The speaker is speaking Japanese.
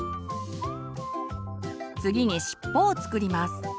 次に尻尾を作ります。